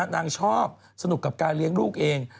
นางชอบสนุกกับการเลี้ยงลูกเอง